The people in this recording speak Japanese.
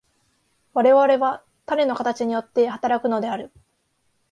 我々は種の形によって働くのである。